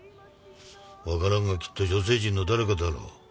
わからんがきっと女性陣の誰かだろう。